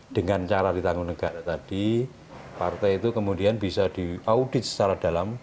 dengan cara ditanggung negara tadi partai itu kemudian bisa diaudit secara dalam